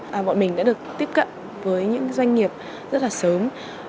và bọn mình đã được tiếp cận với những doanh nghiệp rất là sớm